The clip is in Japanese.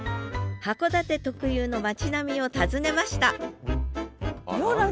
函館特有の町並みを訪ねました